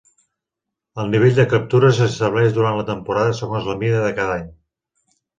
El nivell de captures s'estableix durant la temporada segons la mida de cada any.